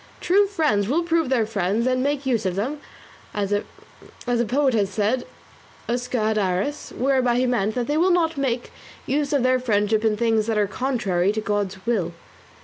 True friends will prove their friends and make use of them, as a poet has said, usque ad aras; whereby he meant that they will not make use of their friendship in things that are contrary to God's will.